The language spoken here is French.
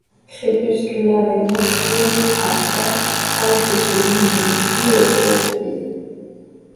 Crépusculaire et nocturne, en fait proche de celui du Bihoreau gris.